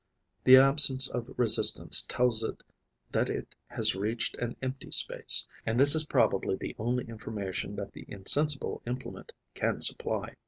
The absence of resistance tells it that it has reached an empty space; and this is probably the only information that the insensible implement can supply.